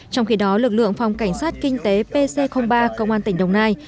trong khi đó lực lượng phòng cảnh sát kinh tế pc ba công an tỉnh đồng nai